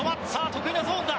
得意のゾーンだ。